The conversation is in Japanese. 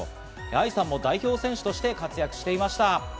愛さんも代表選手として活躍していました。